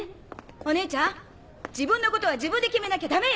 お姉ちゃん自分のことは自分で決めなきゃダメよ！